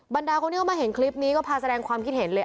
บรรดาคนที่เข้ามาเห็นคลิปนี้ก็พาแสดงความคิดเห็นเลย